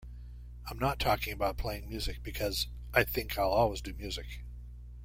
I'm not talking about playing music because I think I'll always do music.